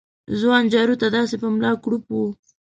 ځوان جارو ته داسې په ملا کړوپ و